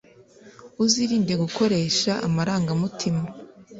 Uzirinde gukoresha amarangamutima,